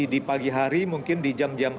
di pagi hari mungkin di jam jam